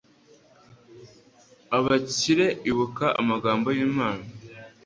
Abakire ibuka amagambo y'Imana